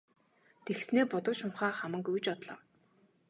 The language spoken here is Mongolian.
Тэгснээ будаг шунхаа хаман гүйж одлоо.